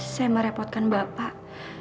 saya merepotkan bapak